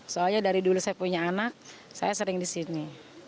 soalnya dari dulu saya punya anak saya sering di sini